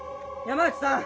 山内さん！